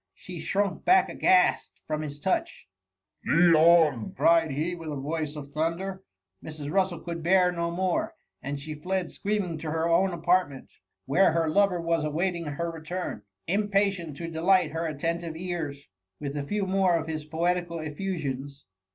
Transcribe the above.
She shrunk back aghast from hfs touch. " Lead on P cried he with a voice of thunder. Mrs. Russel could bear no more, and she fled screaming to her own apartment, where her lover was awaiting her return, o 5 88S TUX MUMMY. impatient to delight her attentive ears with a few more of his poetical effusions.